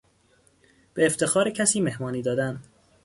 به افتخار کسی مهمانی دادن